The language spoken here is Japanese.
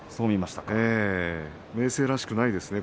明生らしくないですね